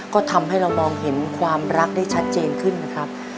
ก็ทำให้เรามองเห็นความรักได้ชัดเจนขึ้นนะครับ